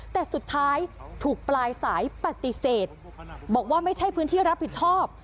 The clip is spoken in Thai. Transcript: แต่สุดท้ายถูกปลายสายปฏิเสธบอกว่าไม่ใช่พื้นที่รับผิดชอบ